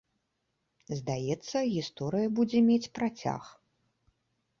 Здаецца, гісторыя будзе мець працяг.